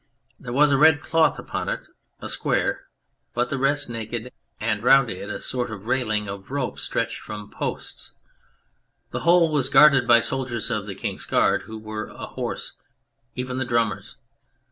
There was a red cloth upon it, a square, but the rest naked, and round it a sort of railing of rope stretched from posts. The whole was guarded by soldiers of the King's Guard who were a horse, even the drummers.